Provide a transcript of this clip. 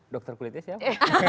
dokter kulitnya siapa